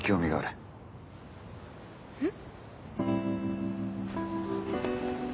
えっ？